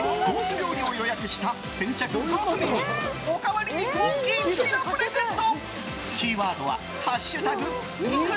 料理を予約した先着５組におかわり肉を１ｋｇプレゼント！